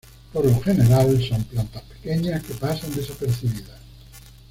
Por lo general, son plantas pequeñas que pasan desapercibidas.